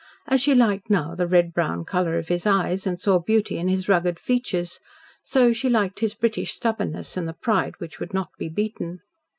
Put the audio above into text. As she liked now the red brown colour of his eyes and saw beauty in his rugged features, so she liked his British stubbornness and the pride which would not be beaten.